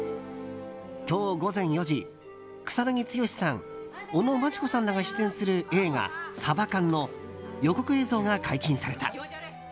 今日午前４時草なぎ剛さん尾野真千子さんらが出演する映画「サバカンＳＡＢＡＫＡＮ」の予告映像が解禁された。